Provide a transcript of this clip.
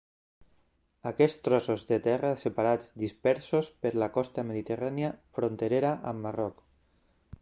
Aquests trossos de terra separats dispersos per la costa mediterrània fronterera amb Marroc.